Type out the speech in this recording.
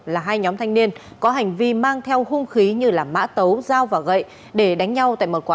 là hai nhóm thanh niên có hành vi mang theo hung khí như mã tấu dao và gậy để đánh nhau